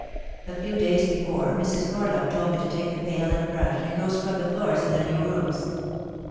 A few days before Mrs. Corlove told me to take the pail and brush and go scrub the floors in the new rooms.